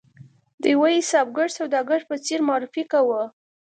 د یوه حسابګر سوداګر په څېر معرفي کاوه.